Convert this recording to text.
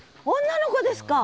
女の子ですか。